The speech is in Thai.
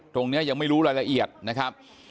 ยังไม่รู้รายละเอียดนะครับ